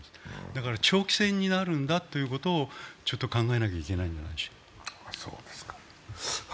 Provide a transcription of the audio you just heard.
だから長期戦になるんだということを考えなきゃいけないんじゃないでしょうか。